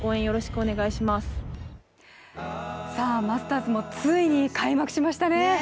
マスターズもついに開幕しましたね。